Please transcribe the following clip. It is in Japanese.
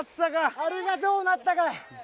あれがどうなったか。